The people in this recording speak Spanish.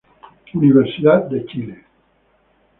Universidad de Chile.